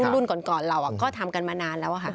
รุ่นก่อนเราก็ทำกันมานานแล้วค่ะ